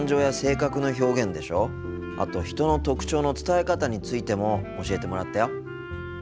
あと人の特徴の伝え方についても教えてもらったよ。